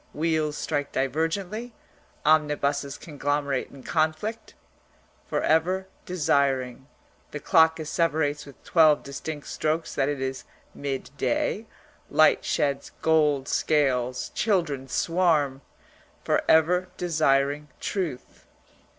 Wheels strike divergently. Omnibuses conglomerate in conflict) for ever desiring (the clock asseverates with twelve distinct strokes that it is midday; light sheds gold scales; children swarm) for ever desiring truth.